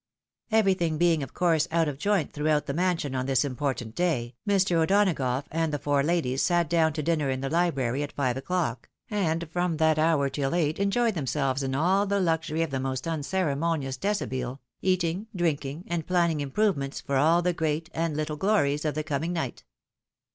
" Everything being of course out of joint throughout the man sion on this important day, Mr. O'Donagough and the four ladies sat down to dinner in the library at five o'clock, and from that hour till eight enjoyed themselves in all the luxury of the most un ceremonious desliabille, eating, drinking, and planning improve ments for all the great and httle glories of the coming night.